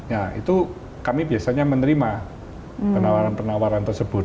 ya itu kami biasanya menerima penawaran penawaran tersebut